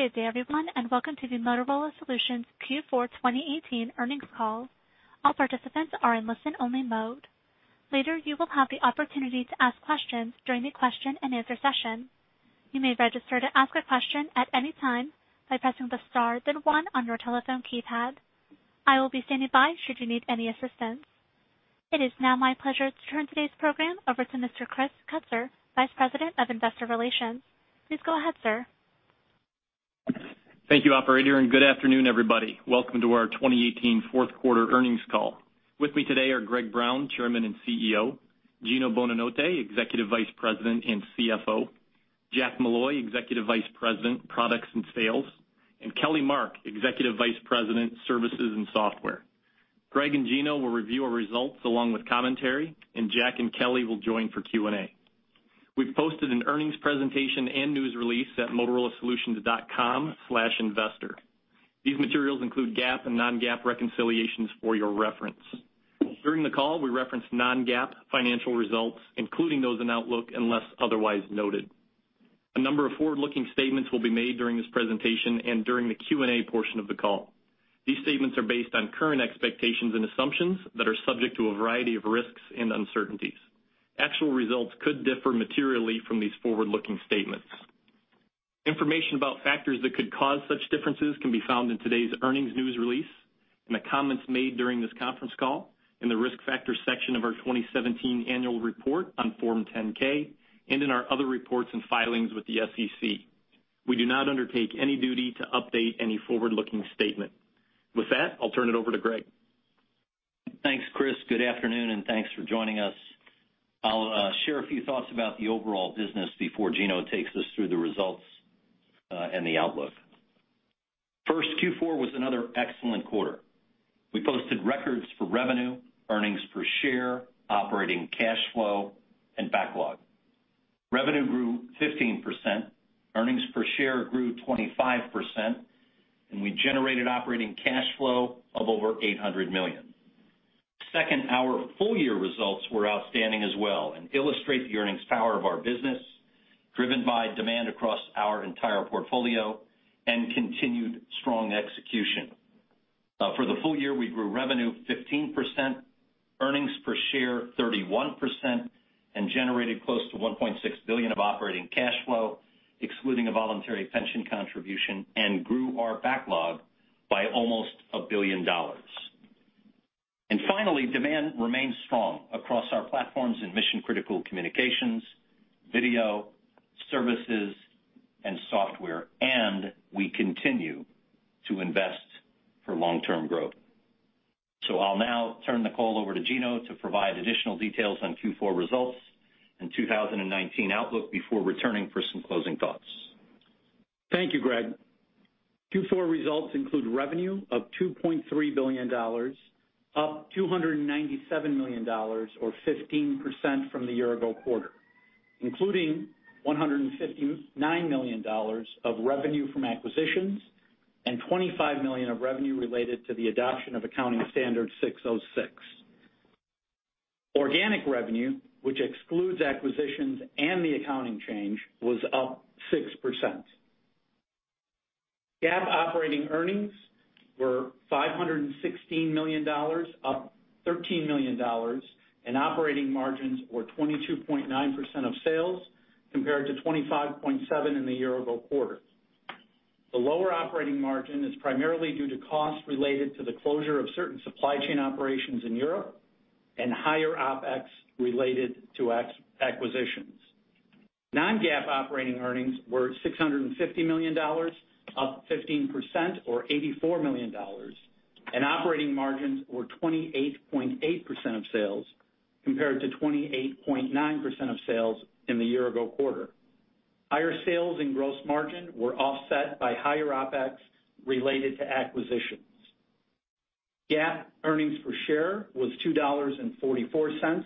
Good day, everyone, and welcome to the Motorola Solutions Q4 2018 earnings call. All participants are in listen-only mode. Later, you will have the opportunity to ask questions during the question-and-answer session. You may register to ask a question at any time by pressing the star then one on your telephone keypad. I will be standing by should you need any assistance. It is now my pleasure to turn today's program over to Mr. Chris Kutsor, Vice President of Investor Relations. Please go ahead, sir. Thank you, operator, and good afternoon, everybody. Welcome to our 2018 fourth quarter earnings call. With me today are Greg Brown, Chairman and CEO, Gino Bonanotte, Executive Vice President and CFO, Jack Molloy, Executive Vice President, Products and Sales, and Kelly Mark, Executive Vice President, Services and Software. Greg and Gino will review our results along with commentary, and Jack and Kelly will join for Q&A. We've posted an earnings presentation and news release at motorolasolutions.com/investor. These materials include GAAP and non-GAAP reconciliations for your reference. During the call, we reference non-GAAP financial results, including those in outlook, unless otherwise noted. A number of forward-looking statements will be made during this presentation and during the Q&A portion of the call. These statements are based on current expectations and assumptions that are subject to a variety of risks and uncertainties. Actual results could differ materially from these forward-looking statements. Information about factors that could cause such differences can be found in today's earnings news release, in the comments made during this conference call, in the Risk Factors section of our 2017 annual report on Form 10-K, and in our other reports and filings with the SEC. We do not undertake any duty to update any forward-looking statement. With that, I'll turn it over to Greg. Thanks, Chris. Good afternoon, and thanks for joining us. I'll share a few thoughts about the overall business before Gino takes us through the results and the outlook. First, Q4 was another excellent quarter. We posted records for revenue, earnings per share, operating cash flow, and backlog. Revenue grew 15%, earnings per share grew 25%, and we generated operating cash flow of over $800 million. Second, our full year results were outstanding as well and illustrate the earnings power of our business, driven by demand across our entire portfolio and continued strong execution. For the full year, we grew revenue 15%, earnings per share 31%, and generated close to $1.6 billion of operating cash flow, excluding a voluntary pension contribution, and grew our backlog by almost $1 billion. Finally, demand remains strong across our platforms in mission-critical communications, video, services, and software, and we continue to invest for long-term growth. I'll now turn the call over to Gino to provide additional details on Q4 results and 2019 outlook before returning for some closing thoughts. Thank you, Greg. Q4 results include revenue of $2.3 billion, up $297 million or 15% from the year-ago quarter, including $159 million of revenue from acquisitions and $25 million of revenue related to the adoption of Accounting Standard 606. Organic revenue, which excludes acquisitions and the accounting change, was up 6%. GAAP operating earnings were $516 million, up $13 million, and operating margins were 22.9% of sales, compared to 25.7% in the year-ago quarter. The lower operating margin is primarily due to costs related to the closure of certain supply chain operations in Europe and higher OpEx related to acquisitions. Non-GAAP operating earnings were $650 million, up 15% or $84 million, and operating margins were 28.8% of sales, compared to 28.9% of sales in the year-ago quarter. Higher sales and gross margin were offset by higher OpEx related to acquisitions. GAAP earnings per share was $2.44,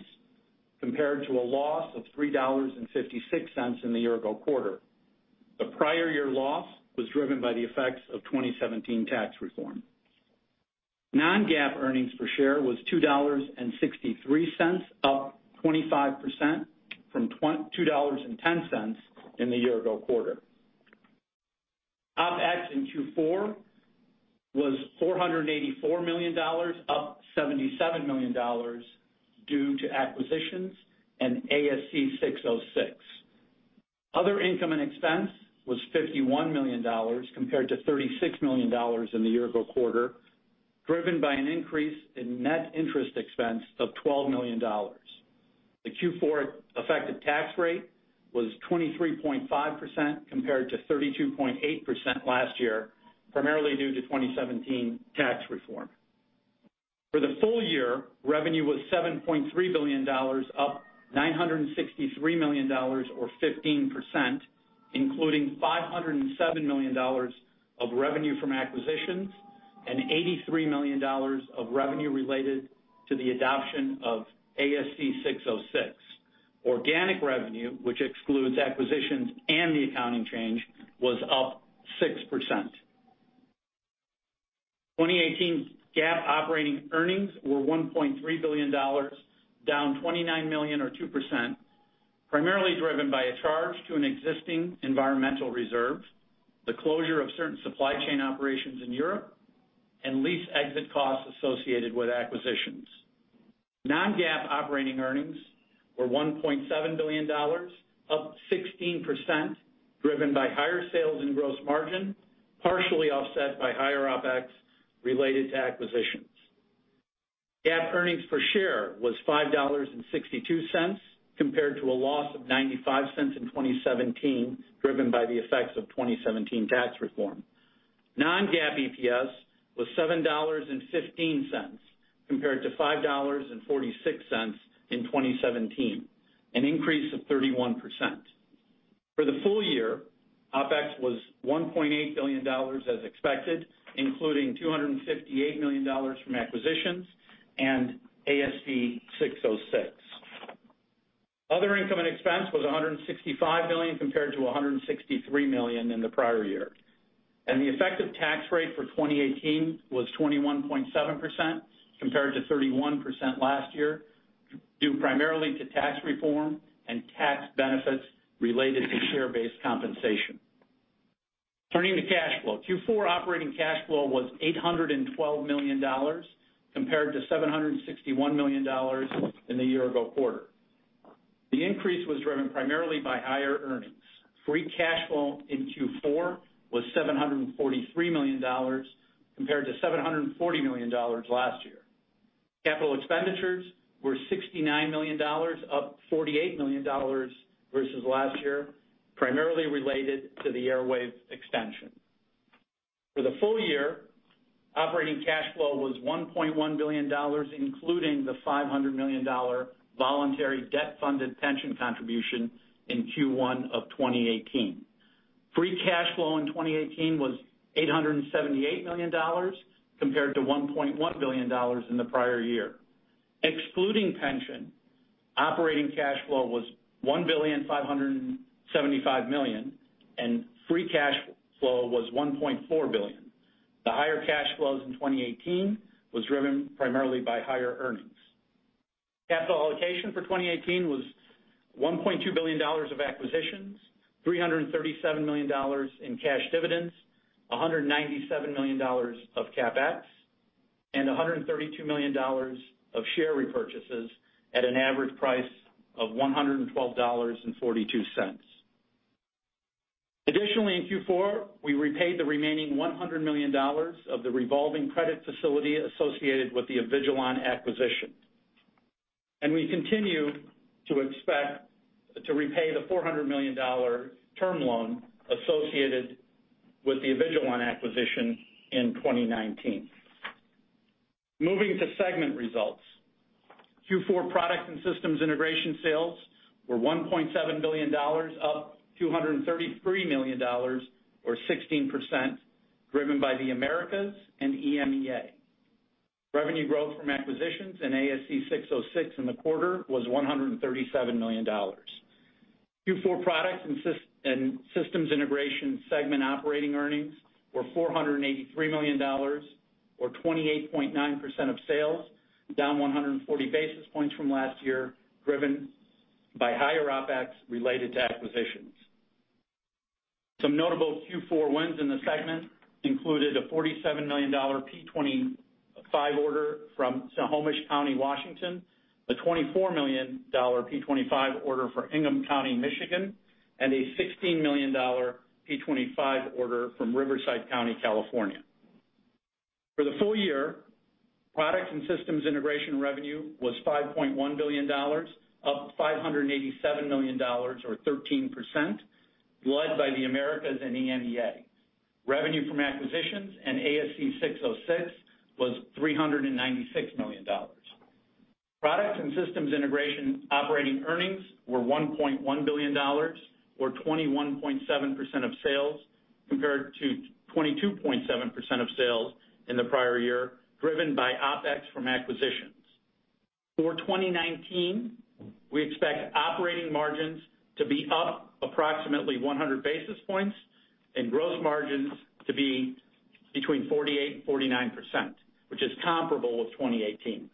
compared to a loss of $3.56 in the year-ago quarter. The prior year loss was driven by the effects of 2017 tax reform. Non-GAAP earnings per share was $2.63, up 25% from two dollars and ten cents in the year-ago quarter. OpEx in Q4 was $484 million, up $77 million, due to acquisitions and ASC 606. Other income and expense was $51 million, compared to $36 million in the year-ago quarter, driven by an increase in net interest expense of $12 million. The Q4 effective tax rate was 23.5%, compared to 32.8% last year, primarily due to 2017 tax reform. For the full year, revenue was $7.3 billion, up $963 million or 15%, including $507 million of revenue from acquisitions and $83 million of revenue related to the adoption of ASC 606. Organic revenue, which excludes acquisitions and the accounting change, was up 6%. 2018 GAAP operating earnings were $1.3 billion, down $29 million or 2%, primarily driven by a charge to an existing environmental reserve, the closure of certain supply chain operations in Europe, and lease exit costs associated with acquisitions. Non-GAAP operating earnings were $1.7 billion, up 16%, driven by higher sales and gross margin, partially offset by higher OpEx related to acquisitions. GAAP earnings per share was $5.62, compared to a loss of $0.95 in 2017, driven by the effects of 2017 tax reform. Non-GAAP EPS was $7.15, compared to $5.46 in 2017, an increase of 31%. For the full year, OpEx was $1.8 billion as expected, including $258 million from acquisitions and ASC 606. Other income and expense was $165 million, compared to $163 million in the prior year. The effective tax rate for 2018 was 21.7%, compared to 31% last year, due primarily to tax reform and tax benefits related to share-based compensation. Turning to cash flow. Q4 operating cash flow was $812 million, compared to $761 million in the year-ago quarter. The increase was driven primarily by higher earnings. Free cash flow in Q4 was $743 million, compared to $740 million last year. Capital expenditures were $69 million, up $48 million versus last year, primarily related to the Airwave extension. For the full year, operating cash flow was $1.1 billion, including the $500 million voluntary debt-funded pension contribution in Q1 of 2018. Free cash flow in 2018 was $878 million, compared to $1.1 billion in the prior year. Excluding pension, operating cash flow was $1.575 billion, and free cash flow was $1.4 billion. The higher cash flows in 2018 was driven primarily by higher earnings. Capital allocation for 2018 was $1.2 billion of acquisitions, $337 million in cash dividends, $197 million of CapEx, and $132 million of share repurchases at an average price of $112.42. Additionally, in Q4, we repaid the remaining $100 million of the revolving credit facility associated with the Avigilon acquisition. And we continue to expect to repay the $400 million term loan associated with the Avigilon acquisition in 2019. Moving to segment results. Q4 Products and Systems Integration sales were $1.7 billion, up $233 million or 16%, driven by the Americas and EMEA. Revenue growth from acquisitions and ASC 606 in the quarter was $137 million. Q4 Products and Systems Integration segment operating earnings were $483 million, or 28.9% of sales, down 140 basis points from last year, driven by higher OpEx related to acquisitions. Some notable Q4 wins in the segment included a $47 million P25 order from Snohomish County, Washington, a $24 million P25 order for Ingham County, Michigan, and a $16 million P25 order from Riverside County, California. For the full year, Products and Systems Integration revenue was $5.1 billion, up $587 million or 13%, led by the Americas and EMEA. Revenue from acquisitions and ASC 606 was $396 million. Products and Systems Integration operating earnings were $1.1 billion, or 21.7% of sales, compared to 22.7% of sales in the prior year, driven by OpEx from acquisitions. For 2019, we expect operating margins to be up approximately 100 basis points and gross margins to be between 48% and 49%, which is comparable with 2018.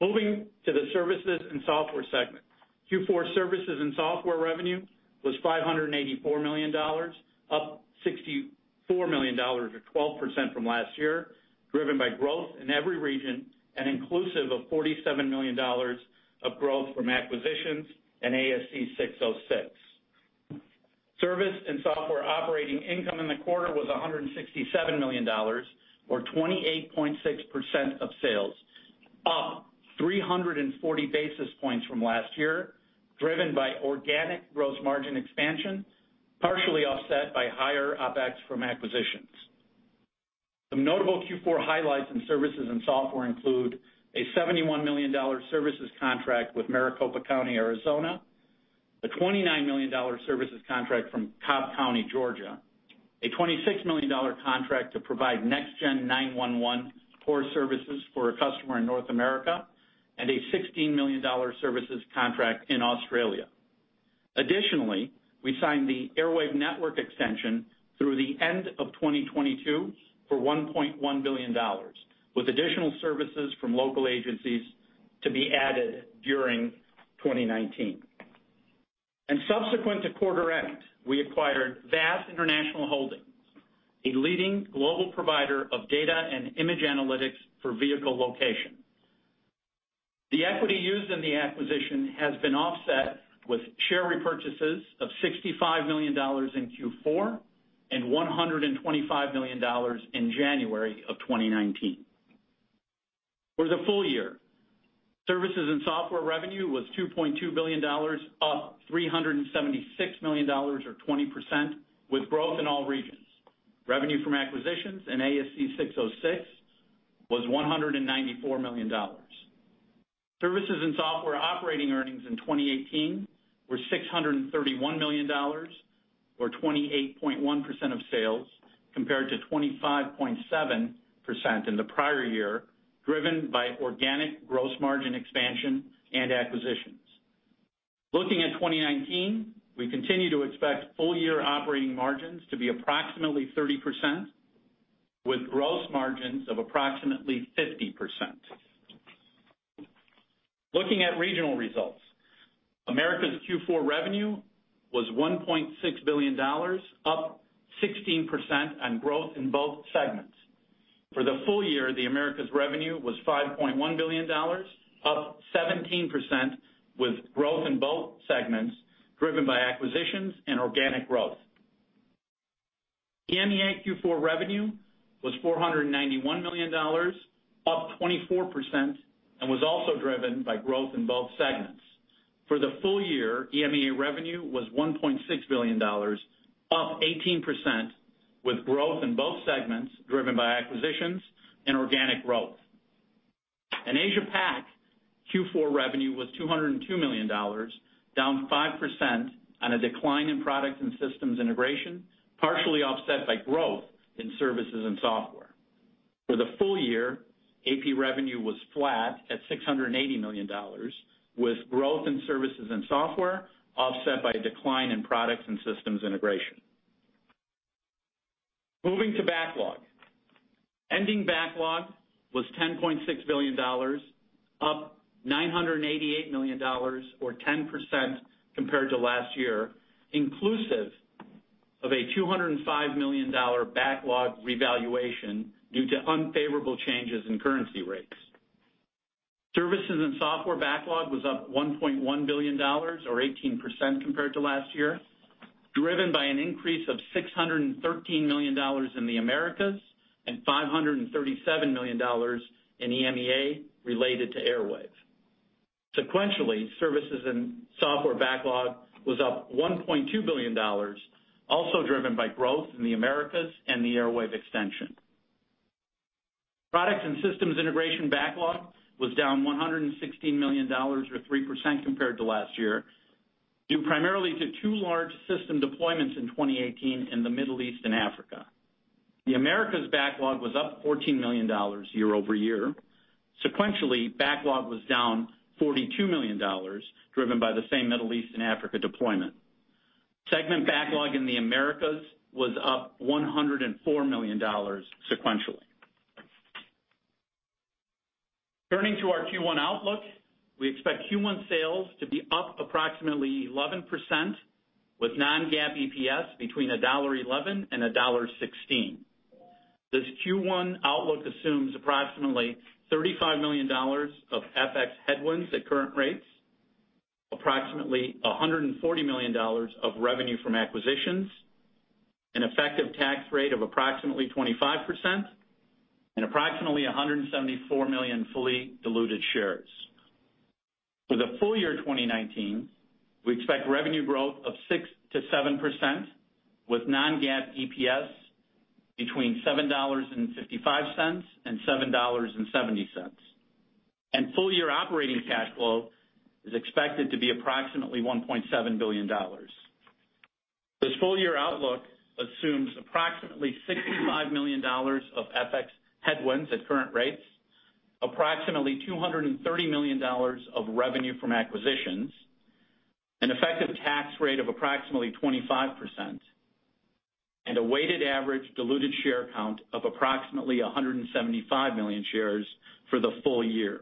Moving to the Services and Software segment. Q4 Services and Software revenue was $584 million, up $64 million or 12% from last year, driven by growth in every region and inclusive of $47 million of growth from acquisitions and ASC 606. Services and Software operating income in the quarter was $167 million, or 28.6% of sales, up 340 basis points from last year, driven by organic gross margin expansion, partially offset by higher OpEx from acquisitions. Some notable Q4 highlights in Services and Software include a $71 million services contract with Maricopa County, Arizona, a $29 million services contract from Cobb County, Georgia, a $26 million contract to provide Next Gen 911 Core Services for a customer in North America, and a $16 million services contract in Australia. Additionally, we signed the Airwave network extension through the end of 2022 for $1.1 billion, with additional services from local agencies to be added during 2019. Subsequent to quarter end, we acquired VaaS International Holdings, a leading global provider of data and image analytics for vehicle location. The equity used in the acquisition has been offset with share repurchases of $65 million in Q4, and $125 million in January 2019. For the full year, Services and Software revenue was $2.2 billion, up $376 million or 20%, with growth in all regions. Revenue from acquisitions and ASC 606 was $194 million. Services and Software operating earnings in 2018 were $631 million, or 28.1% of sales, compared to 25.7% in the prior year, driven by organic gross margin expansion and acquisitions. Looking at 2019, we continue to expect full-year operating margins to be approximately 30%, with gross margins of approximately 50%. Looking at regional results, Americas Q4 revenue was $1.6 billion, up 16% on growth in both segments. For the full year, the Americas revenue was $5.1 billion, up 17%, with growth in both segments driven by acquisitions and organic growth. EMEA Q4 revenue was $491 million, up 24%, and was also driven by growth in both segments. For the full year, EMEA revenue was $1.6 billion, up 18%, with growth in both segments driven by acquisitions and organic growth. In Asia Pac, Q4 revenue was $202 million, down 5% on a decline in Products and Systems Integration, partially offset by growth in Services and Software. For the full year, AP revenue was flat at $680 million, with growth in Services and Software offset by a decline in Products and Systems Integration. Moving to backlog. Ending backlog was $10.6 billion, up $988 million or 10% compared to last year, inclusive of a $205 million backlog revaluation due to unfavorable changes in currency rates. Services and Software backlog was up $1.1 billion, or 18% compared to last year, driven by an increase of $613 million in the Americas and $537 million in EMEA related to Airwave. Sequentially, Services and Software backlog was up $1.2 billion, also driven by growth in the Americas and the Airwave extension. Products and Systems Integration backlog was down $116 million, or 3% compared to last year, due primarily to two large system deployments in 2018 in the Middle East and Africa. The Americas backlog was up $14 million year-over-year. Sequentially, backlog was down $42 million, driven by the same Middle East and Africa deployment. Segment backlog in the Americas was up $104 million sequentially. Turning to our Q1 outlook, we expect Q1 sales to be up approximately 11%, with non-GAAP EPS between $1.11 and $1.16. This Q1 outlook assumes approximately $35 million of FX headwinds at current rates, approximately $140 million of revenue from acquisitions, an effective tax rate of approximately 25%, and approximately 174 million fully diluted shares. For the full year 2019, we expect revenue growth of 6%-7%, with non-GAAP EPS between $7.55 and $7.70. Full-year operating cash flow is expected to be approximately $1.7 billion. This full-year outlook assumes approximately $65 million of FX headwinds at current rates, approximately $230 million of revenue from acquisitions, an effective tax rate of approximately 25%, and a weighted average diluted share count of approximately 175 million shares for the full year.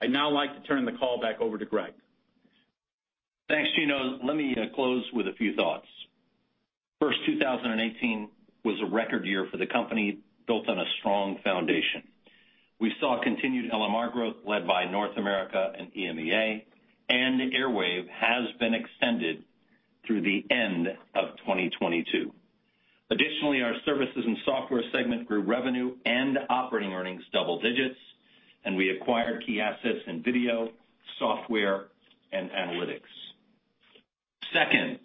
I'd now like to turn the call back over to Greg. Thanks, Gino. Let me close with a few thoughts. First, 2018 was a record year for the company, built on a strong foundation. We saw continued LMR growth led by North America and EMEA, and Airwave has been extended through the end of 2022. Additionally, our Services and Software segment grew revenue and operating earnings double digits, and we acquired key assets in video, software, and analytics. Second,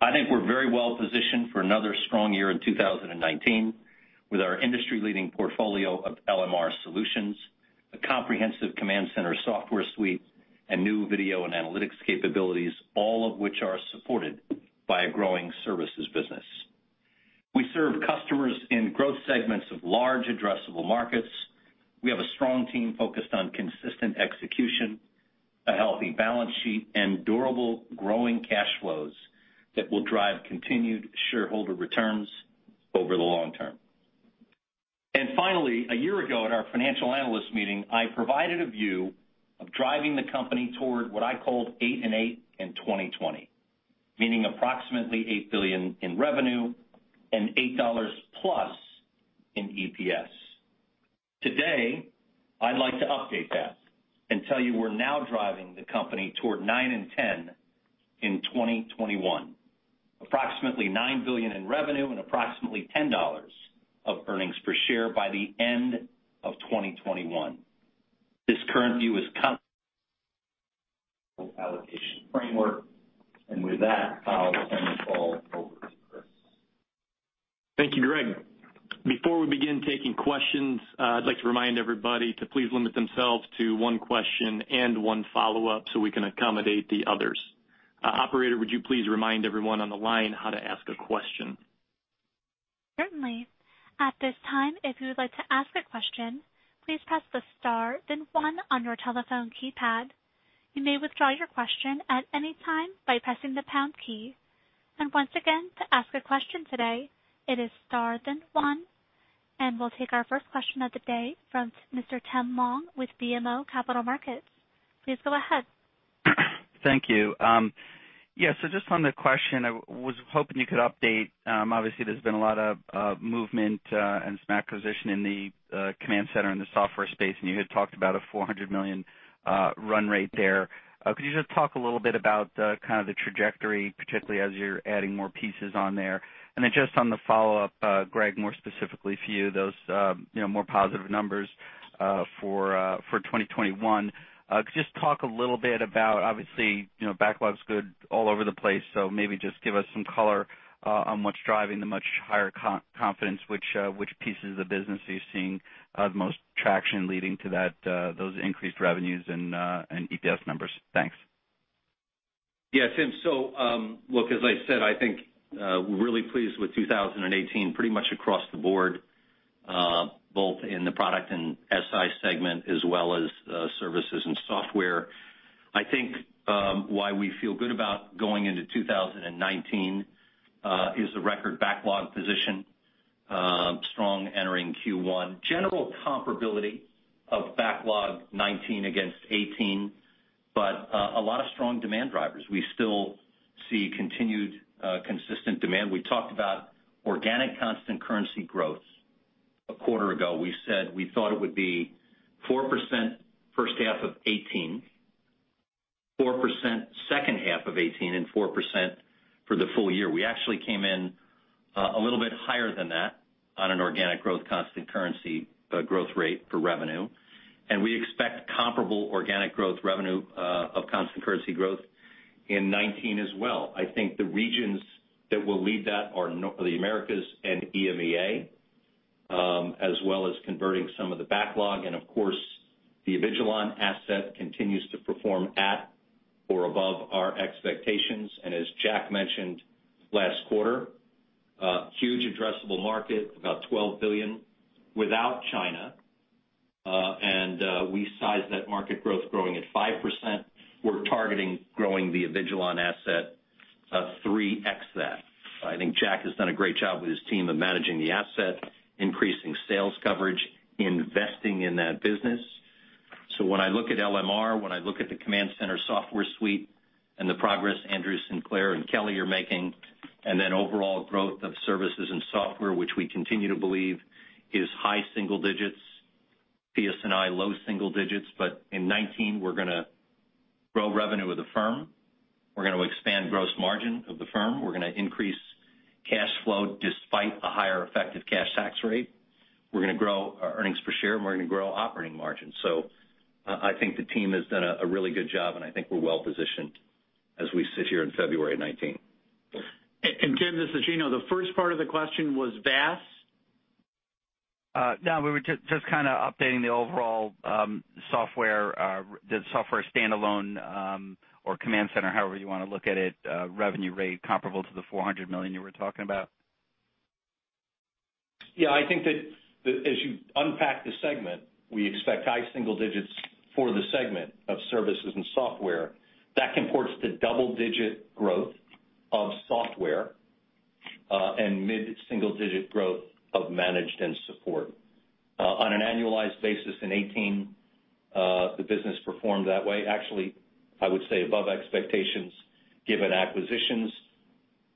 I think we're very well positioned for another strong year in 2019 with our industry-leading portfolio of LMR solutions, a comprehensive Command Center software suite, and new video and analytics capabilities, all of which are supported by a growing services business. We serve customers in growth segments of large addressable markets. We have a strong team focused on consistent execution, a healthy balance sheet, and durable growing cash flows that will drive continued shareholder returns over the long term. And finally, a year ago, at our financial analyst meeting, I provided a view of driving the company toward what I called 8 and 8 in 2020, meaning approximately $8 billion in revenue and $8+ in EPS. Today, I'd like to update that and tell you we're now driving the company toward 9 and 10 in 2021, approximately $9 billion in revenue and approximately $10 of earnings per share by the end of 2021. This current view is allocation framework. And with that, I'll turn the call over to Chris. Thank you, Greg. Before we begin taking questions, I'd like to remind everybody to please limit themselves to one question and one follow-up so we can accommodate the others. Operator, would you please remind everyone on the line how to ask a question? Certainly. At this time, if you would like to ask a question, please press the star, then one on your telephone keypad. You may withdraw your question at any time by pressing the pound key. Once again, to ask a question today, it is star, then one. We'll take our first question of the day from Mr. Tim Long with BMO Capital Markets. Please go ahead. Thank you. Yeah, so just on the question, I was hoping you could update. Obviously, there's been a lot of, of movement, and some acquisition in the, Command Center in the software space, and you had talked about a $400 million run rate there. Could you just talk a little bit about, kind of the trajectory, particularly as you're adding more pieces on there? And then just on the follow-up, Greg, more specifically for you, those, you know, more positive numbers, for, for 2021. Could you just talk a little bit about, obviously, you know, backlog's good all over the place, so maybe just give us some color on what's driving the much higher confidence, which pieces of the business are you seeing the most traction leading to that, those increased revenues and EPS numbers? Thanks. Yeah, Tim. So, look, as I said, I think we're really pleased with 2018, pretty much across the board, both in the Products and SI segment, as well as Services and Software. I think why we feel good about going into 2019 is the record backlog position, strong entering Q1. General comparability of backlog 2019 against 2018, but a lot of strong demand drivers. We still see continued, consistent demand. We talked about organic constant currency growth. A quarter ago, we said we thought it would be 4% first half of 2018, 4% second half of 2018, and 4% for the full year. We actually came in a little bit higher than that on an organic growth constant currency growth rate for revenue, and we expect comparable organic growth revenue of constant currency growth in 2019 as well. I think the regions that will lead that are the Americas and EMEA, as well as converting some of the backlog. And of course, the Avigilon asset continues to perform at or above our expectations. And as Jack mentioned last quarter, a huge addressable market, about $12 billion without China, and we size that market growth growing at 5%. We're targeting growing the Avigilon asset 3x that. I think Jack has done a great job with his team of managing the asset, increasing sales coverage, investing in that business. So when I look at LMR, when I look at the Command Center software suite and the progress Andrew Sinclair and Kelly are making, and then overall growth of Services and Software, which we continue to believe is high single digits, PS&I, low single digits. But in 2019, we're gonna grow revenue of the firm, we're gonna expand gross margin of the firm, we're gonna increase cash flow despite a higher effective cash tax rate, we're gonna grow our earnings per share, and we're gonna grow operating margins. So I, I think the team has done a, a really good job, and I think we're well positioned as we sit here in February of 2019. Adam and Tim, this is Gino. The first part of the question was VaaS? No, we were just kind of updating the overall software, the software stand-alone, or Command Center, however you want to look at it, revenue rate comparable to the $400 million you were talking about. Yeah, I think that, that as you unpack the segment, we expect high single digits for the segment of Services and Software. That comports to double-digit growth of software, and mid-single digit growth of managed and support. On an annualized basis in 2018, the business performed that way. Actually, I would say above expectations, given acquisitions.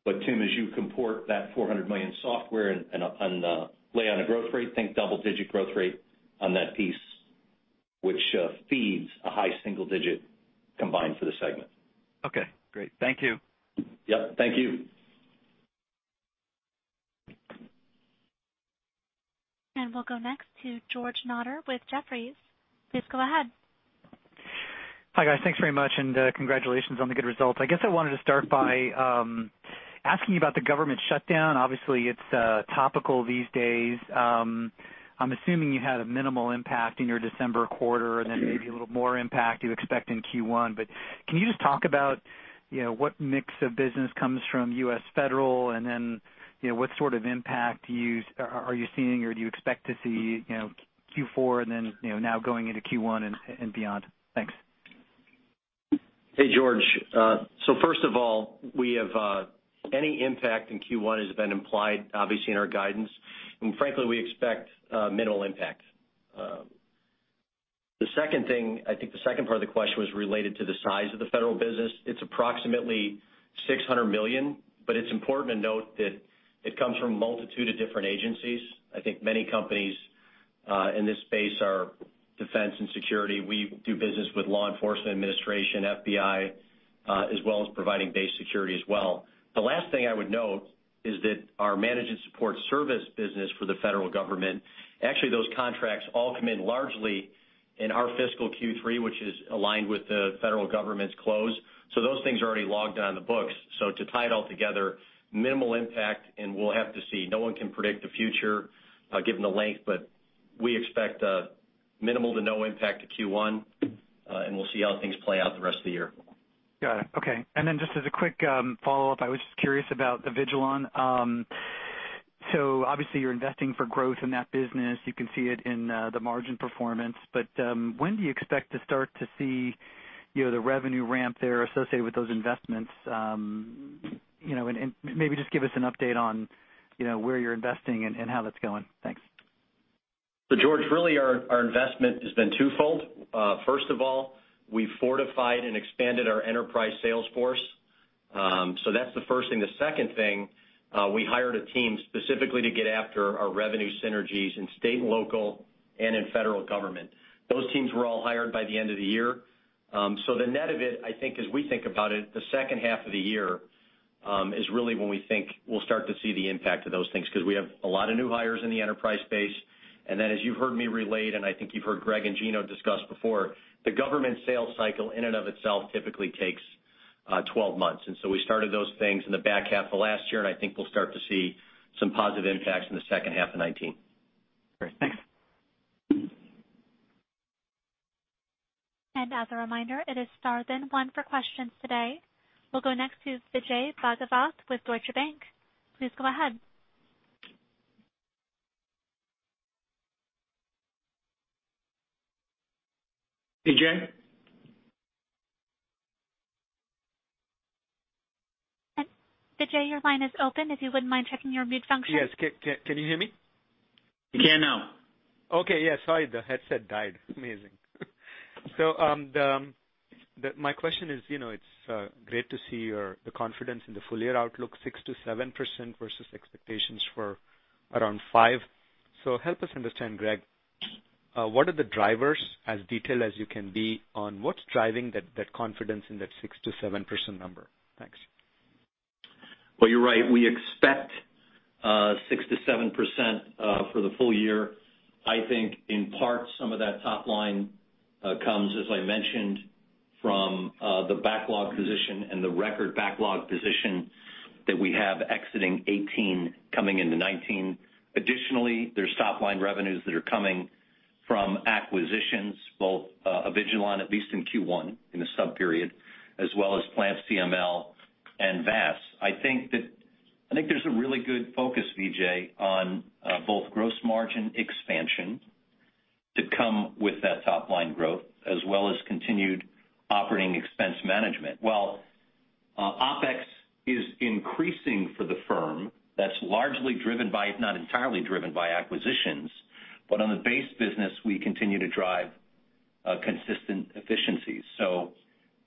But Tim, as you comport that $400 million software and, and, on the lay on a growth rate, think double digit growth rate on that piece, which, feeds a high single digit combined for the segment. Okay, great. Thank you. Yep, thank you. We'll go next to George Notter with Jefferies. Please go ahead. Hi, guys. Thanks very much, and congratulations on the good results. I guess I wanted to start by asking you about the government shutdown. Obviously, it's topical these days. I'm assuming you had a minimal impact in your December quarter, and then maybe a little more impact you expect in Q1. But can you just talk about, you know, what mix of business comes from U.S. Federal, and then, you know, what sort of impact you are seeing or do you expect to see, you know, Q4, and then, you know, now going into Q1 and beyond? Thanks. Hey, George. So first of all, we have any impact in Q1 has been implied, obviously, in our guidance, and frankly, we expect minimal impact. The second thing... I think the second part of the question was related to the size of the federal business. It's approximately $600 million, but it's important to note that it comes from a multitude of different agencies. I think many companies in this space are defense and security. We do business with law enforcement, administration, FBI, as well as providing base security as well. The last thing I would note is that our management support service business for the federal government, actually, those contracts all come in largely in our fiscal Q3, which is aligned with the federal government's close. So those things are already logged on the books. So to tie it all together, minimal impact, and we'll have to see. No one can predict the future, given the length, but we expect, minimal to no impact to Q1, and we'll see how things play out the rest of the year. Got it. Okay. And then just as a quick follow-up, I was just curious about the Avigilon. So obviously, you're investing for growth in that business. You can see it in the margin performance. But when do you expect to start to see, you know, the revenue ramp there associated with those investments? You know, and maybe just give us an update on, you know, where you're investing and how that's going. Thanks. So George, really our investment has been twofold. First of all, we fortified and expanded our enterprise sales force. So that's the first thing. The second thing, we hired a team specifically to get after our revenue synergies in state and local and in federal government. Those teams were all hired by the end of the year. So the net of it, I think, as we think about it, the second half of the year is really when we think we'll start to see the impact of those things, 'cause we have a lot of new hires in the enterprise space. And then, as you've heard me relate, and I think you've heard Greg and Gino discuss before, the government sales cycle in and of itself typically takes 12 months. And so we started those things in the back half of last year, and I think we'll start to see some positive impacts in the second half of 2019. Great. Thanks. As a reminder, it is star then one for questions today. We'll go next to Vijay Bhagavath with Deutsche Bank. Please go ahead. Vijay? Vijay, your line is open, if you wouldn't mind checking your mute function. Yes. Can you hear me? We can now. Okay, yeah, sorry, the headset died. Amazing. So, my question is, you know, it's great to see your confidence in the full year outlook, 6%-7% versus expectations for around 5%. So help us understand, Greg, what are the drivers, as detailed as you can be, on what's driving that confidence in that 6%-7% number? Thanks. Well, you're right. We expect 6% to 7% for the full year. I think in part, some of that top line comes, as I mentioned, from the backlog position and the record backlog position that we have exiting 2018 coming into 2019. Additionally, there's top line revenues that are coming from acquisitions, both Avigilon, at least in Q1, in the subperiod, as well as PlantCML and VaaS. I think that, I think there's a really good focus, Vijay, on both gross margin expansion to come with that top line growth, as well as continued operating expense management. While OpEx is increasing for the firm, that's largely driven by, if not entirely driven by acquisitions, but on the base business, we continue to drive consistent efficiencies. So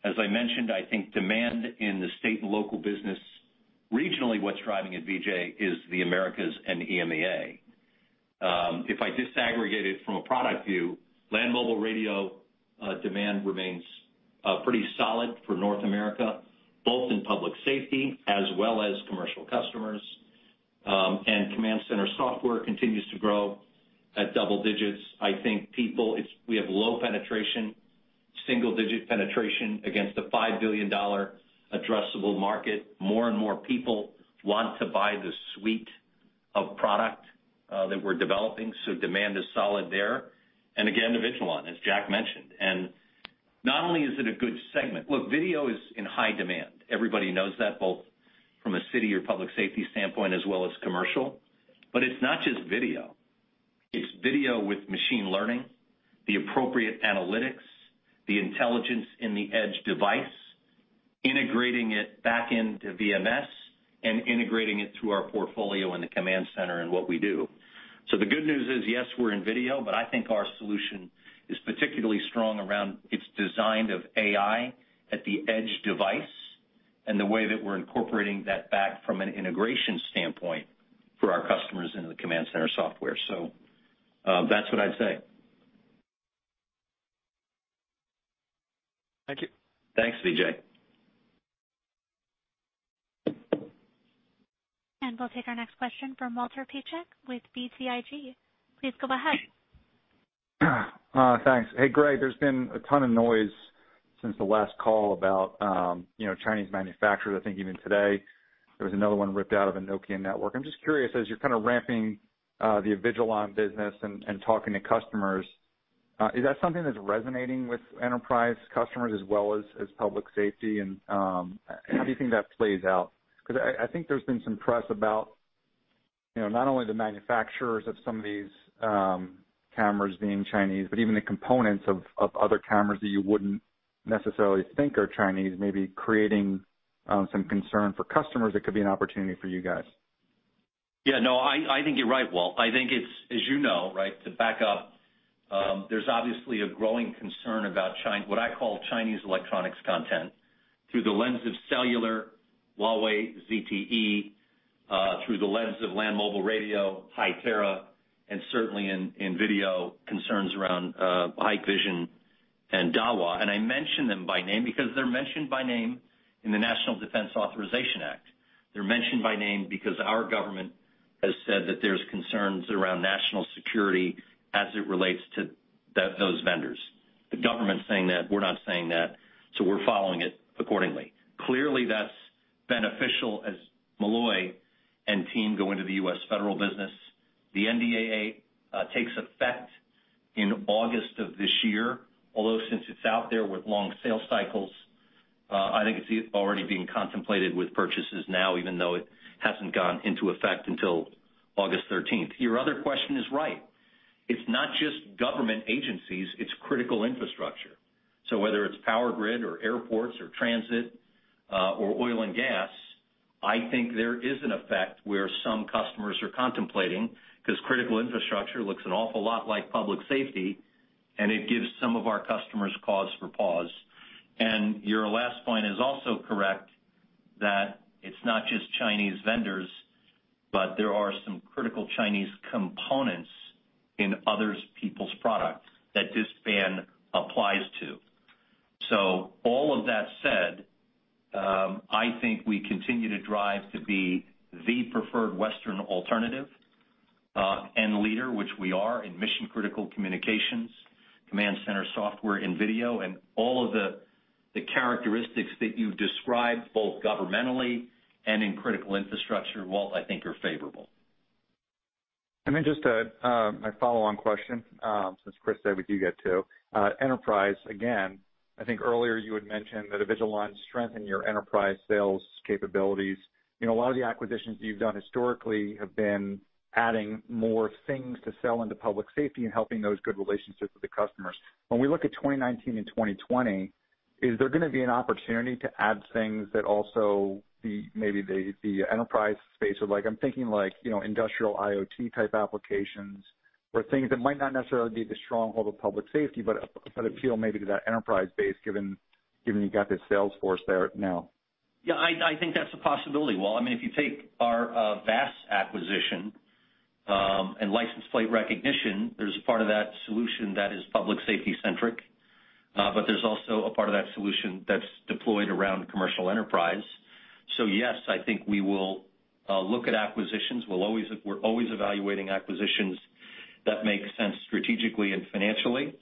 as I mentioned, I think demand in the state and local business, regionally, what's driving it, Vijay, is the Americas and EMEA. If I disaggregate it from a product view, land mobile radio demand remains pretty solid for North America, both in public safety as well as commercial customers. And Command Center software continues to grow at double digits. I think people, we have low penetration, single digit penetration against a $5 billion addressable market. More and more people want to buy the suite of product that we're developing, so demand is solid there. And again, Avigilon, as Jack mentioned, and not only is it a good segment. Look, video is in high demand. Everybody knows that, both from a city or public safety standpoint as well as commercial. But it's not just video. It's video with machine learning, the appropriate analytics, the intelligence in the edge device, integrating it back into VMS and integrating it through our portfolio in the Command Center and what we do. So the good news is, yes, we're in video, but I think our solution is particularly strong around its design of AI at the edge device and the way that we're incorporating that back from an integration standpoint for our customers into the Command Center software. So, that's what I'd say. Thank you. Thanks, Vijay. And we'll take our next question from Walter Piecyk with BTIG. Please go ahead. Thanks. Hey, Greg, there's been a ton of noise since the last call about, you know, Chinese manufacturers. I think even today, there was another one ripped out of a Nokia network. I'm just curious, as you're kind of ramping the Avigilon business and talking to customers, is that something that's resonating with enterprise customers as well as public safety? And, how do you think that plays out? 'Cause I think there's been some press about, you know, not only the manufacturers of some of these cameras being Chinese, but even the components of other cameras that you wouldn't necessarily think are Chinese, maybe creating some concern for customers that could be an opportunity for you guys. Yeah, no, I, I think you're right, Walt. I think it's, as you know, right, to back up, there's obviously a growing concern about Chi- what I call Chinese electronics content, through the lens of Cellular, Huawei, ZTE, through the lens of land mobile radio, Hytera, and certainly in video, concerns around, Hikvision and Dahua. And I mention them by name because they're mentioned by name in the National Defense Authorization Act. They're mentioned by name because our government has said that there's concerns around national security as it relates to those vendors. The government's saying that, we're not saying that, so we're following it accordingly. Clearly, that's beneficial as Molloy and team go into the U.S. federal business. The NDAA takes effect in August of this year, although since it's out there with long sales cycles, I think it's already being contemplated with purchases now, even though it hasn't gone into effect until August thirteenth. Your other question is right. It's not just government agencies, it's critical infrastructure. So whether it's power grid, or airports, or transit, or oil and gas, I think there is an effect where some customers are contemplating, 'cause critical infrastructure looks an awful lot like public safety, and it gives some of our customers cause for pause. And your last point is also correct, that it's not just Chinese vendors, but there are some critical Chinese components in others' people's products that this ban applies to. So all of that said, I think we continue to drive to be the preferred Western alternative, and leader, which we are in mission-critical communications, Command Center software and video, and all of the characteristics that you've described, both governmentally and in critical infrastructure, Walt, I think are favorable. Then just a follow-on question, since Chris said we do get two. Enterprise, again, I think earlier you had mentioned that Avigilon's strengthened your enterprise sales capabilities. You know, a lot of the acquisitions you've done historically have been adding more things to sell into public safety and helping those good relationships with the customers. When we look at 2019 and 2020, is there gonna be an opportunity to add things that also the, maybe, the, the enterprise space would like? I'm thinking like, you know, industrial IoT-type applications or things that might not necessarily be the stronghold of public safety, but appeal maybe to that enterprise base, given you've got this salesforce there now. Yeah, I, I think that's a possibility, Walt. I mean, if you take our VaaS acquisition, and license plate recognition, there's a part of that solution that is public safety centric, but there's also a part of that solution that's deployed around commercial enterprise. So yes, I think we will look at acquisitions. We'll always-- We're always evaluating acquisitions that make sense strategically and financially,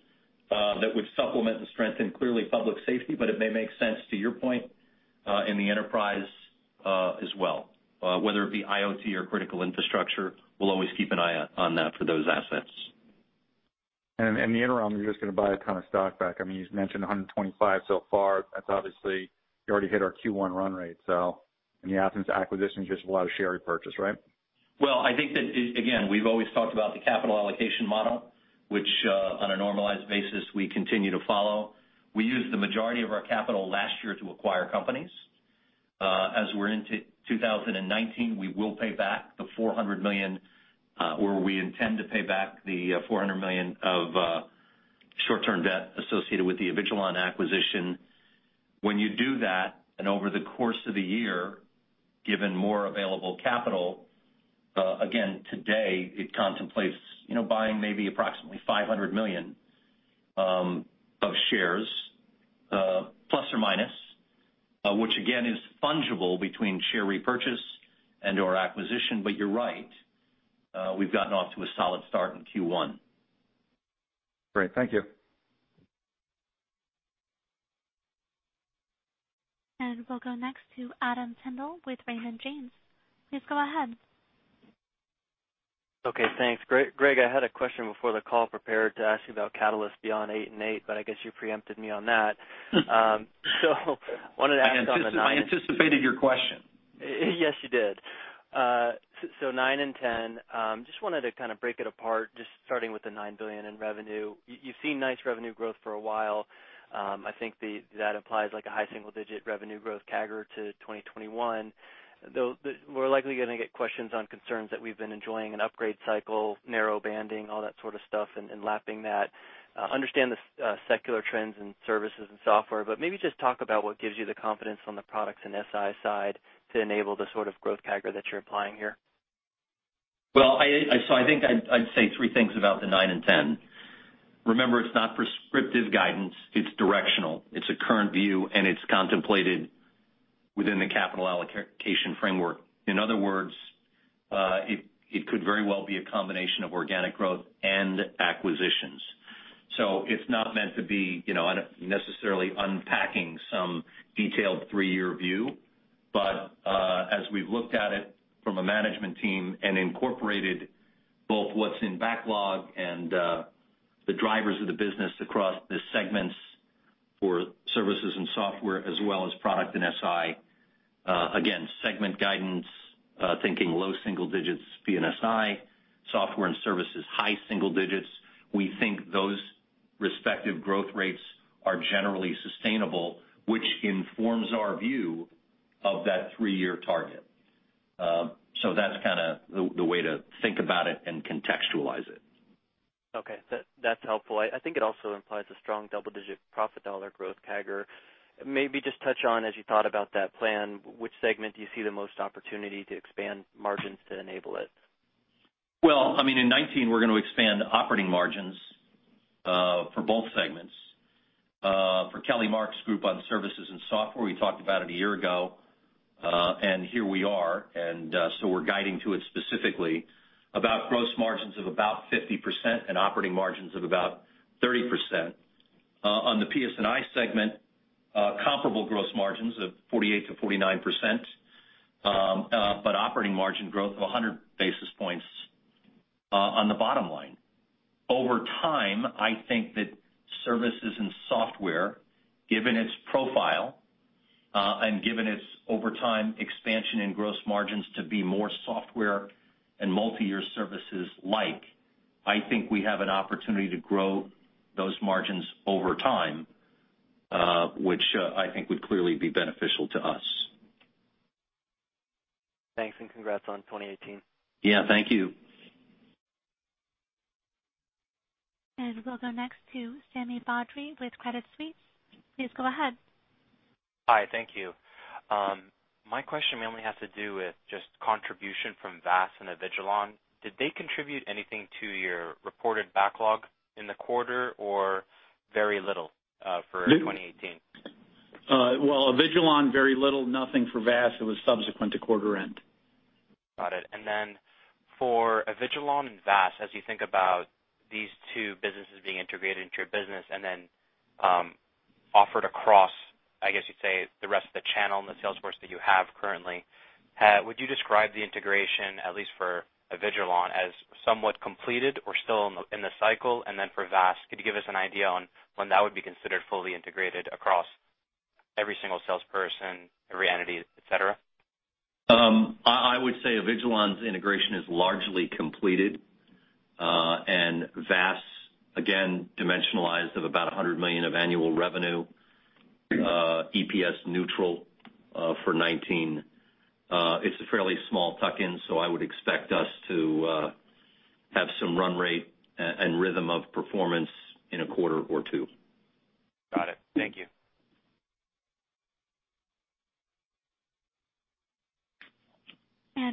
that would supplement and strengthen, clearly, public safety, but it may make sense, to your point, in the enterprise, as well. Whether it be IoT or critical infrastructure, we'll always keep an eye out on that for those assets. In the interim, you're just gonna buy a ton of stock back. I mean, you just mentioned $125 so far. That's obviously, you already hit our Q1 run rate, so and the absence of acquisition is just a lot of share repurchase, right? Well, I think that, again, we've always talked about the capital allocation model, which, on a normalized basis, we continue to follow. We used the majority of our capital last year to acquire companies. As we're into 2019, we will pay back the $400 million, or we intend to pay back the $400 million of short-term debt associated with the Avigilon acquisition. When you do that, and over the course of the year, given more available capital, again, today, it contemplates, you know, buying maybe approximately $500 million of shares, plus or minus, which again, is fungible between share repurchase and/or acquisition. But you're right, we've gotten off to a solid start in Q1. Great. Thank you. We'll go next to Adam Tindle with Raymond James. Please go ahead. Okay, thanks, Greg. I had a question before the call prepared to ask you about catalysts beyond 8 and 8, but I guess you preempted me on that. So wanted to ask- I anticipated your question. Yes, you did. So 9 and 10. Just wanted to kind of break it apart, just starting with the $9 billion in revenue. You've seen nice revenue growth for a while. I think that implies like a high single digit revenue growth CAGR to 2021. Though, we're likely gonna get questions on concerns that we've been enjoying an upgrade cycle, narrow banding, all that sort of stuff, and lapping that. Understand the secular trends in Services and Software, but maybe just talk about what gives you the confidence on the products and SI side to enable the sort of growth CAGR that you're applying here? Well, so I think I'd say three things about the 9 and 10. Remember, it's not prescriptive guidance, it's directional. It's a current view, and it's contemplated within the capital allocation framework. In other words, it could very well be a combination of organic growth and acquisitions. So it's not meant to be, you know, necessarily unpacking some detailed three-year view, but as we've looked at it from a management team and incorporated both what's in backlog and the drivers of the business across the segments for Services and Software as well as Products and SI, again, segment guidance, thinking low single digits, PS&I, software and services, high single digits. We think those respective growth rates are generally sustainable, which informs our view of that three-year target. So that's kind of the way to think about it and contextualize it. Okay, that's helpful. I think it also implies a strong double-digit profit dollar growth CAGR. Maybe just touch on, as you thought about that plan, which segment do you see the most opportunity to expand margins to enable it? Well, I mean, in 2019, we're going to expand operating margins for both segments. For Kelly Mark's group on Services and Software, we talked about it a year ago, and here we are, and so we're guiding to it specifically, about gross margins of about 50% and operating margins of about 30%. On the PS&I segment, comparable gross margins of 48%-49%, but operating margin growth of 100 basis points on the bottom line. Over time, I think that Services and Software, given its profile, and given its over time expansion in gross margins to be more software and multi-year services like, I think we have an opportunity to grow those margins over time, which I think would clearly be beneficial to us. Thanks, and congrats on 2018. Yeah, thank you. We'll go next to Sami Badri with Credit Suisse. Please go ahead. Hi, thank you. My question mainly has to do with just contribution from VaaS and Avigilon. Did they contribute anything to your reported backlog in the quarter, or very little, for 2018? Well, Avigilon, very little, nothing for VaaS. It was subsequent to quarter end. Got it. And then for Avigilon and VaaS, as you think about these two businesses being integrated into your business and then, offered across, I guess you'd say, the rest of the channel and the sales force that you have currently, would you describe the integration, at least for Avigilon, as somewhat completed or still in the, in the cycle? And then for VaaS, could you give us an idea on when that would be considered fully integrated across every single salesperson, every entity, et cetera? I would say Avigilon's integration is largely completed, and VaaS, again, dimensionalized of about $100 million of annual revenue, EPS neutral, for 2019. It's a fairly small tuck-in, so I would expect us to have some run rate and rhythm of performance in a quarter or two. Got it. Thank you.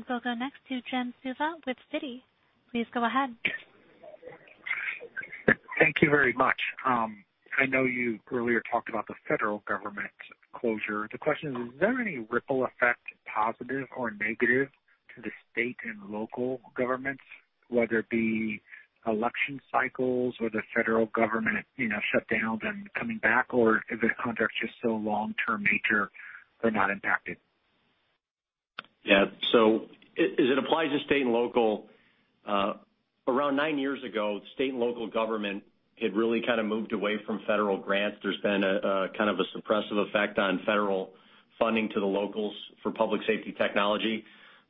We'll go next to Jim Suva with Citi. Please go ahead. Thank you very much. I know you earlier talked about the federal government closure. The question is, is there any ripple effect, positive or negative, to the state and local governments, whether it be election cycles or the federal government, you know, shut down and coming back, or if the contracts are so long-term nature, they're not impacted? Yeah. So as it applies to state and local, around nine years ago, state and local government had really kind of moved away from federal grants. There's been a kind of suppressive effect on federal funding to the locals for public safety technology.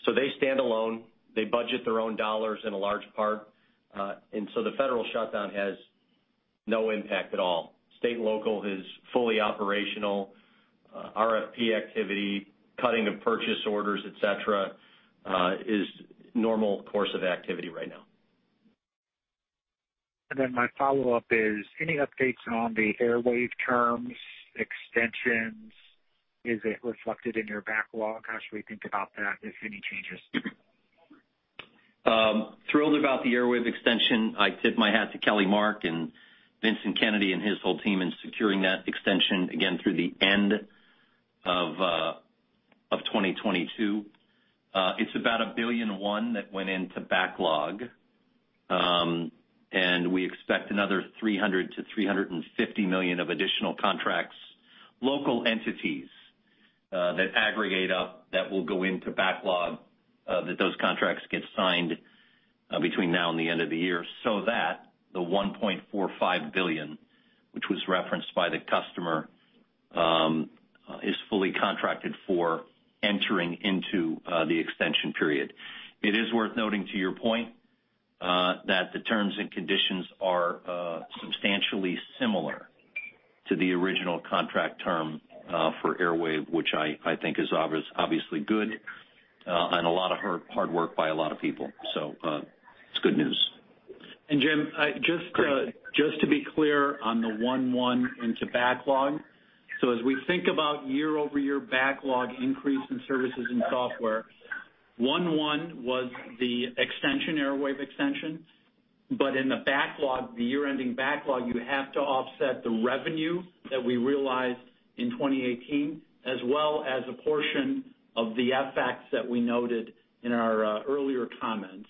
So they stand alone. They budget their own dollars in a large part, and so the federal shutdown has no impact at all. State and local is fully operational. RFP activity, cutting of purchase orders, et cetera, is normal course of activity right now. And then my follow-up is, any updates on the Airwave terms, extensions? Is it reflected in your backlog? How should we think about that, if any changes? Thrilled about the Airwave extension. I tip my hat to Kelly Mark and Vincent Kennedy and his whole team in securing that extension again through the end of 2022. It's about $1.1 billion that went into backlog, and we expect another $300 million-$350 million of additional contracts, local entities, that aggregate up, that will go into backlog, that those contracts get signed, between now and the end of the year. So that, the $1.45 billion, which was referenced by the customer, is fully contracted for entering into the extension period. It is worth noting, to your point, that the terms and conditions are substantially similar to the original contract term for Airwave, which I think is obviously good, and a lot of hard, hard work by a lot of people. So, it's good news. And Jim, just to be clear on the 9-1-1 backlog. So as we think about year-over-year backlog increase in Services and Software, 9-1-1 was the extension, Airwave extension. But in the backlog, the year-ending backlog, you have to offset the revenue that we realized in 2018, as well as a portion of the effects that we noted in our earlier comments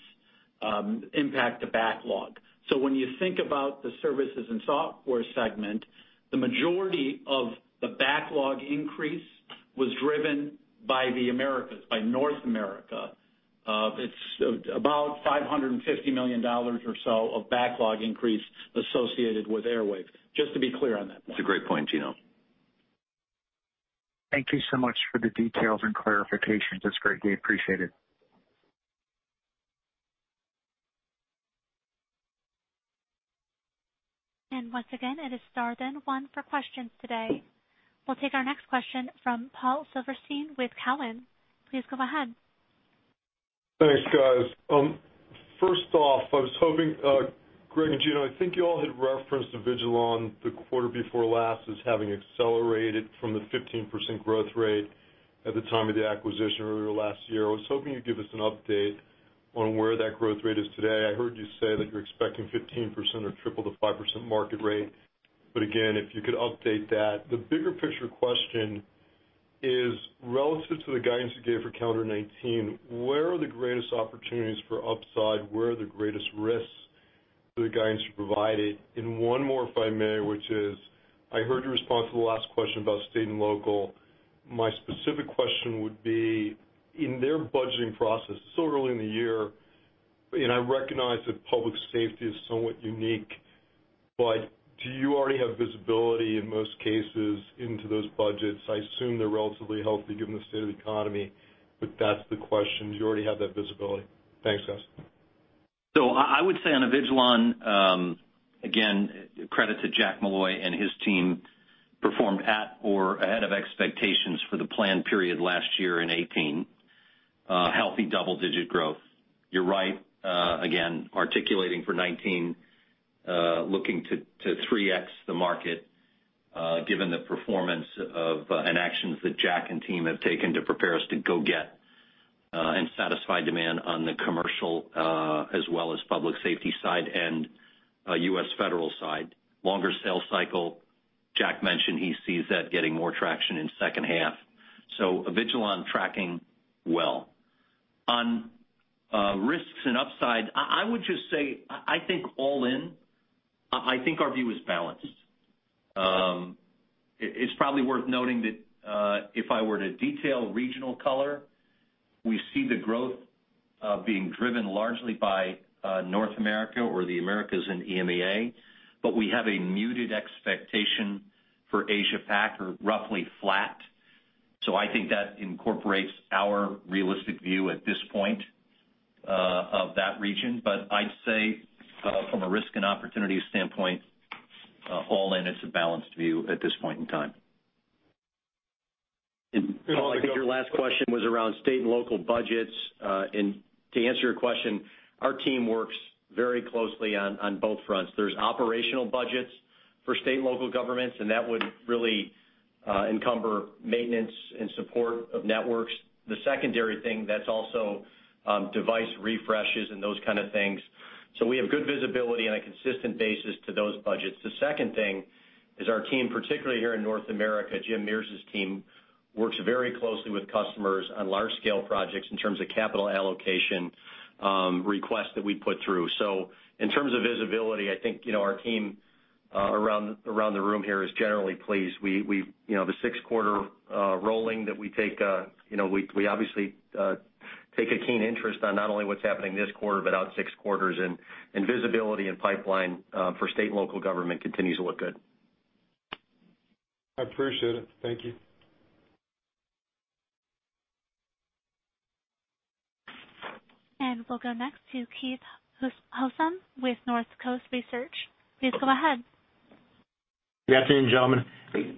impact the backlog. So when you think about the Services and Software segment, the majority of the backlog increase was driven by the Americas, by North America. It's about $550 million or so of backlog increase associated with Airwave. Just to be clear on that point. It's a great point, Gino. Thank you so much for the details and clarifications. That's great, we appreciate it. Once again, it is star one for questions today. We'll take our next question from Paul Silverstein with Cowen. Please go ahead. Thanks, guys. First off, I was hoping, Greg and Gino, I think you all had referenced Avigilon the quarter before last as having accelerated from the 15% growth rate at the time of the acquisition earlier last year. I was hoping you'd give us an update on where that growth rate is today. I heard you say that you're expecting 15% or triple the 5% market rate. But again, if you could update that. The bigger picture question is, relative to the guidance you gave for calendar 2019, where are the greatest opportunities for upside? Where are the greatest risks to the guidance you provided? And one more, if I may, which is, I heard your response to the last question about state and local. My specific question would be, in their budgeting process, it's so early in the year, and I recognize that public safety is somewhat unique, but do you already have visibility in most cases into those budgets? I assume they're relatively healthy given the state of the economy, but that's the question. Do you already have that visibility? Thanks, guys. So I, I would say on Avigilon, again, credit to Jack Molloy and his team, performed at or ahead of expectations for the planned period last year in 2018. Healthy double-digit growth. You're right, again, articulating for 2019, looking to, to 3x the market, given the performance of and actions that Jack and team have taken to prepare us to go get, and satisfy demand on the commercial, as well as public safety side and, U.S. federal side. Longer sales cycle. Jack mentioned he sees that getting more traction in second half. So Avigilon tracking well. On, risks and upside, I, I would just say, I think all in, I, I think our view is balanced. It's probably worth noting that, if I were to detail regional color, we see the growth being driven largely by North America or the Americas and EMEA, but we have a muted expectation for Asia Pac, or roughly flat. So I think that incorporates our realistic view at this point of that region. But I'd say, from a risk and opportunity standpoint, all in, it's a balanced view at this point in time. Paul, I think your last question was around state and local budgets. And to answer your question, our team works very closely on both fronts. There's operational budgets for state and local governments, and that would really encumber maintenance and support of networks. The secondary thing, that's also device refreshes and those kind of things. So we have good visibility on a consistent basis to those budgets. The second thing is our team, particularly here in North America, Jim Mears' team, works very closely with customers on large-scale projects in terms of capital allocation requests that we put through. So in terms of visibility, I think, you know, our team around the room here is generally pleased. We... You know, the six-quarter rolling that we take, you know, we obviously take a keen interest on not only what's happening this quarter, but out six quarters, and visibility and pipeline for state and local government continues to look good. I appreciate it. Thank you. We'll go next to Keith Housum with North Coast Research. Please go ahead. Good afternoon, gentlemen.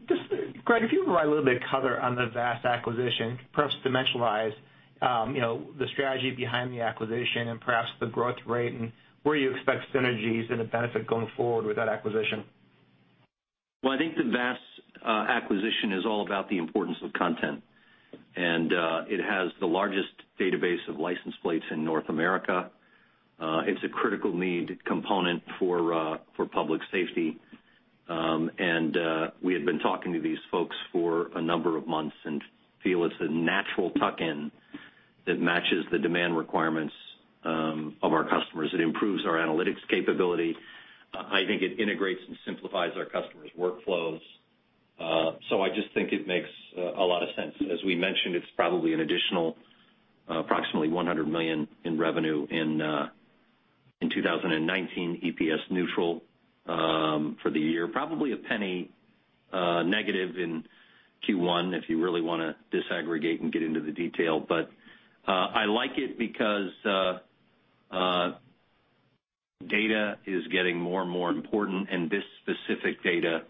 Just, Greg, if you could provide a little bit of color on the VaaS acquisition, perhaps dimensionalize, you know, the strategy behind the acquisition and perhaps the growth rate and where you expect synergies and the benefit going forward with that acquisition. Well, I think the VaaS acquisition is all about the importance of content. And it has the largest database of license plates in North America. It's a critical need component for public safety. And we had been talking to these folks for a number of months and feel it's a natural tuck-in that matches the demand requirements of our customers. It improves our analytics capability. I think it integrates and simplifies our customers' workflows. So I just think it makes a lot of sense. As we mentioned, it's probably an additional approximately $100 million in revenue in 2019, EPS neutral for the year. Probably $0.01 negative in Q1, if you really want to disaggregate and get into the detail. But I like it because data is getting more and more important, and this specific data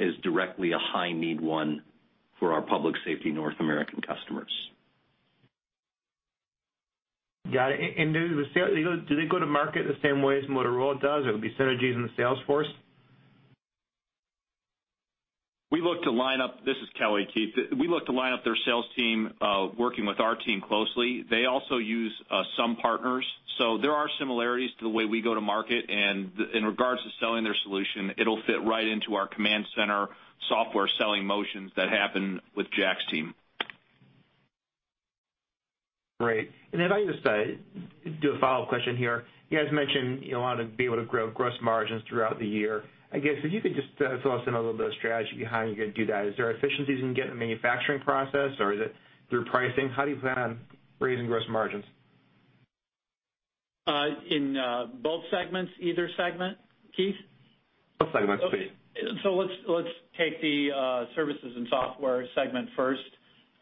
is directly a high-need one for our public safety North American customers. Got it. And do they go to market the same way as Motorola does? There'll be synergies in the sales force? This is Kelly, Keith. We look to line up their sales team, working with our team closely. They also use some partners, so there are similarities to the way we go to market. And in regards to selling their solution, it'll fit right into our Command Center software selling motions that happen with Jack's team. Great. And then I'll just do a follow-up question here. You guys mentioned you want to be able to grow gross margins throughout the year. I guess, if you could just fill us in a little bit of strategy behind how you're going to do that. Is there efficiencies you can get in the manufacturing process, or is it through pricing? How do you plan on raising gross margins? In both segments, either segment, Keith? Both segments, please. So let's take the Services and Software segment first.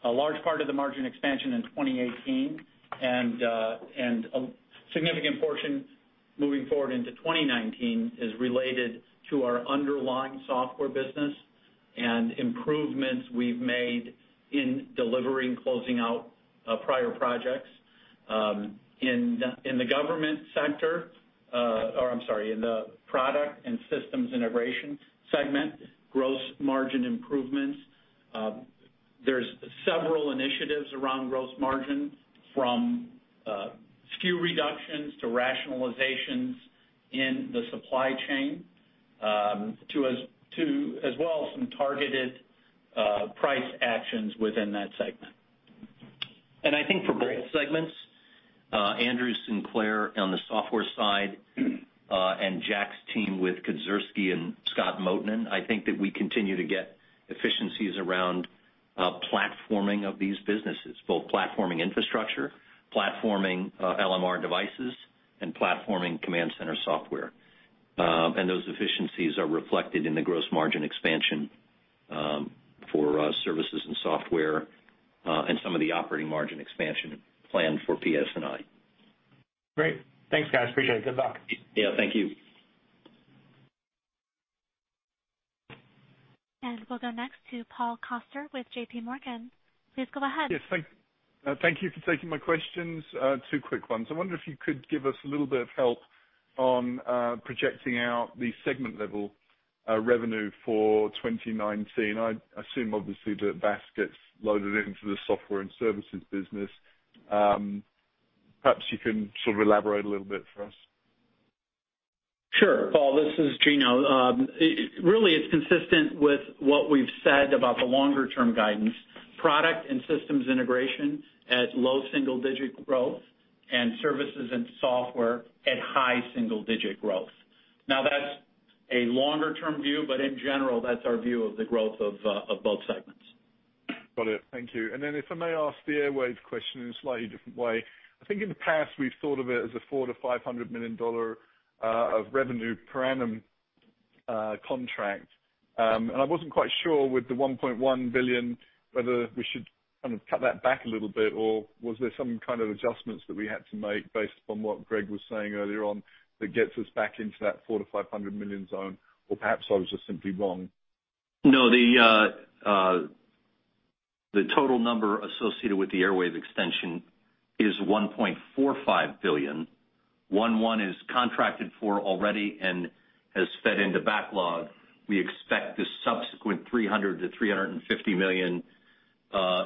A large part of the margin expansion in 2018 and a significant portion moving forward into 2019 is related to our underlying software business and improvements we've made in delivering, closing out prior projects. In the Products and Systems Integration segment, gross margin improvements. There's several initiatives around gross margin from SKU reductions to rationalizations in the supply chain, as well as some targeted price actions within that segment. I think for both segments, Andrew Sinclair on the software side, and Jack's team with Kedzierski and Scott Mottonen, I think that we continue to get efficiencies around platforming of these businesses, both platforming infrastructure, platforming LMR devices, and platforming Command Center software. And those efficiencies are reflected in the gross margin expansion for Services and Software, and some of the operating margin expansion plan for PS&I. Great. Thanks, guys. Appreciate it. Good luck. Yeah, thank you. We'll go next to Paul Coster with J.P. Morgan. Please go ahead. Yes, thank, thank you for taking my questions. Two quick ones. I wonder if you could give us a little bit of help on projecting out the segment level revenue for 2019. I assume, obviously, that VaaS gets loaded into the software and services business. Perhaps you can sort of elaborate a little bit for us. Sure, Paul, this is Gino. Really, it's consistent with what we've said about the longer-term guidance. Products and Systems Integration at low single-digit growth and Services and Software at high single-digit growth. Now, that's a longer-term view, but in general, that's our view of the growth of both segments. Got it. Thank you. And then if I may ask the Airwave question in a slightly different way. I think in the past, we've thought of it as a $400-$500 million of revenue per annum contract. And I wasn't quite sure with the $1.1 billion, whether we should kind of cut that back a little bit, or was there some kind of adjustments that we had to make based upon what Greg was saying earlier on, that gets us back into that $400-$500 million zone? Or perhaps I was just simply wrong. No, the total number associated with the Airwave extension is $1.45 billion. 1.1 is contracted for already and has fed into backlog. We expect the subsequent $300 million-$350 million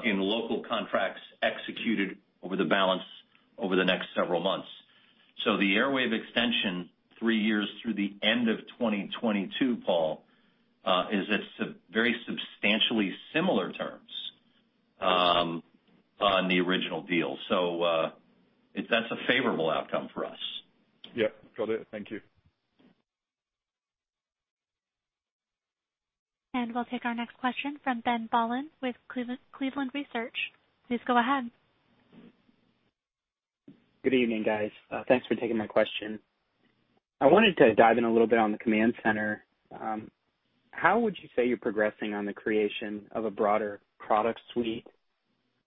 in local contracts executed over the balance over the next several months. So the Airwave extension, three years through the end of 2022, Paul, is at very substantially similar terms on the original deal. So, that's a favorable outcome for us. Yep, got it. Thank you. We'll take our next question from Ben Bollin with Cleveland Research. Please go ahead. Good evening, guys. Thanks for taking my question. I wanted to dive in a little bit on the Command Center. How would you say you're progressing on the creation of a broader product suite?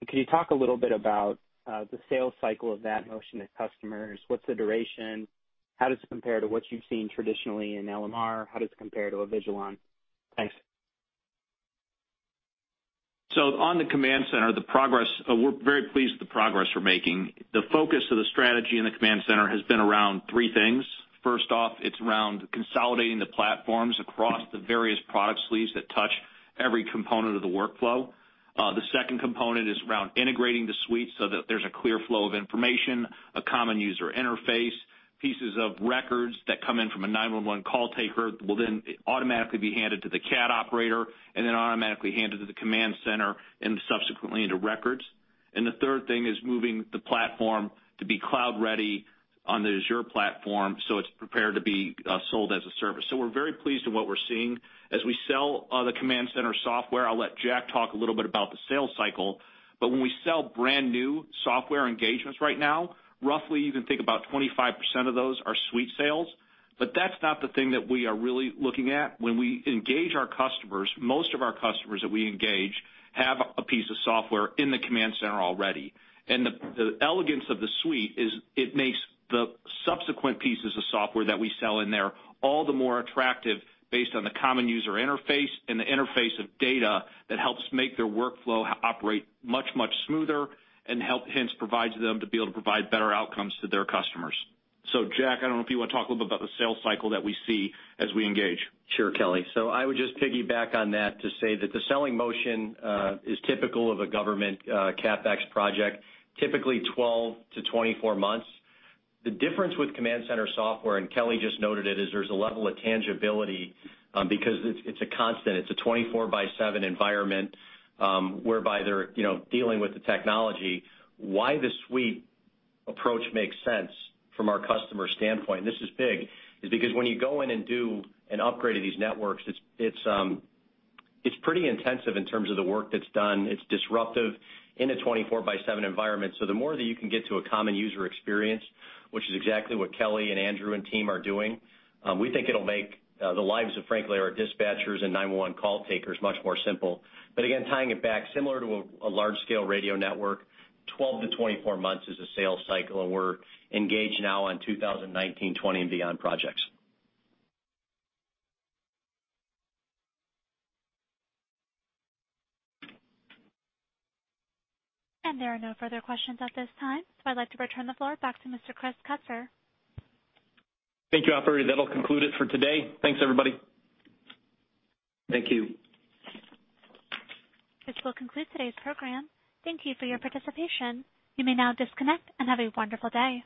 And can you talk a little bit about the sales cycle of that motion to customers? What's the duration? How does it compare to what you've seen traditionally in LMR? How does it compare to an Avigilon? Thanks. So on the Command Center, the progress, we're very pleased with the progress we're making. The focus of the strategy in the Command Center has been around three things. First off, it's around consolidating the platforms across the various product suites that touch every component of the workflow. The second component is around integrating the suite so that there's a clear flow of information, a common user interface. Pieces of records that come in from a 911 call taker will then automatically be handed to the CAD operator, and then automatically handed to the Command Center and subsequently into records. And the third thing is moving the platform to be cloud ready on the Azure platform, so it's prepared to be, sold as a service. So we're very pleased with what we're seeing. As we sell the Command Center software, I'll let Jack talk a little bit about the sales cycle, but when we sell brand new software engagements right now, roughly you can think about 25% of those are suite sales. But that's not the thing that we are really looking at. When we engage our customers, most of our customers that we engage have a piece of software in the Command Center already, and the, the elegance of the suite is it makes the subsequent pieces of software that we sell in there all the more attractive based on the common user interface and the interface of data that helps make their workflow operate much, much smoother and help, hence, provides them to be able to provide better outcomes to their customers. Jack, I don't know if you want to talk a little bit about the sales cycle that we see as we engage. Sure, Kelly. So I would just piggyback on that to say that the selling motion is typical of a government CapEx project, typically 12-24 months. The difference with Command Center software, and Kelly just noted it, is there's a level of tangibility because it's a constant. It's a 24/7 environment whereby they're, you know, dealing with the technology. Why the suite approach makes sense from our customer standpoint, this is big, is because when you go in and do an upgrade of these networks, it's pretty intensive in terms of the work that's done. It's disruptive in a 24/7 environment. So the more that you can get to a common user experience, which is exactly what Kelly and Andrew and team are doing, we think it'll make the lives of, frankly, our dispatchers and 911 call takers much more simple. But again, tying it back, similar to a large-scale radio network, 12-24 months is a sales cycle, and we're engaged now on 2019, 2020, and beyond projects. There are no further questions at this time. I'd like to return the floor back to Mr. Chris Kutsor. Thank you, operator. That'll conclude it for today. Thanks, everybody. Thank you. This will conclude today's program. Thank you for your participation. You may now disconnect and have a wonderful day.